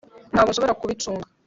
ntabwo nshobora kubicunga